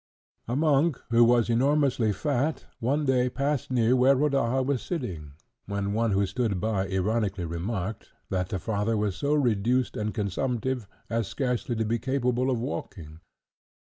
A monk, who was enormously fat, one day passed near where Rodaja was sitting, when one who stood by ironically remarked, that the father was so reduced and consumptive, as scarcely to be capable of walking.